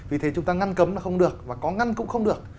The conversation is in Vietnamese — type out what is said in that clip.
vì thế chúng ta ngăn cấm là không được và có ngăn cũng không được